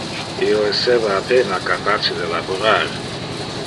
Io esseva a pena capace de laborar.